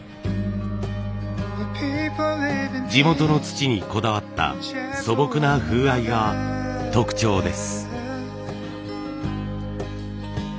地元の土にこだわった素朴な風合いが特徴です。